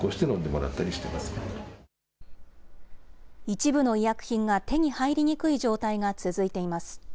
一部の医薬品が手に入りにくい状態が続いています。